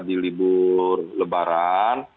di libur lebaran